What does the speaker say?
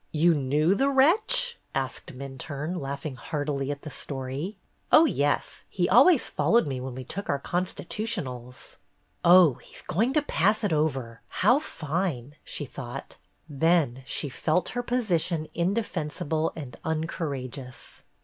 "You knew the wretch?" asked Minturne, laughing heartily at the story. "Oh, yes. He always followed me when we took our constitutionals." " Oh, he 's going to pass it over ! How fine !" she thought. Then she felt her position inde fensible and uncourageous.